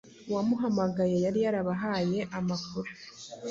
uwamuhamagaye yari yarabahaye amakuru